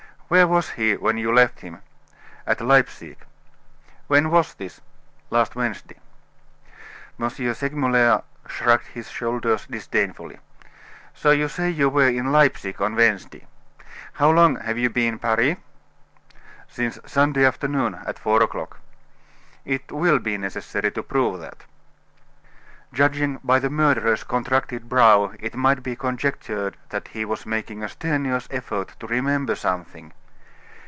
"Where was he when you left him?" "At Leipsic." "When was this?" "Last Wednesday." M. Segmuller shrugged his shoulders disdainfully. "So you say you were in Leipsic on Wednesday? How long have you been in Paris?" "Since Sunday afternoon, at four o'clock." "It will be necessary to prove that." Judging by the murderer's contracted brow it might be conjectured that he was making a strenuous effort to remember something.